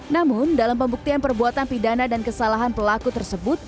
namun dalam pembuktian perbuatan pidana dan kesalahan pelaku tersebut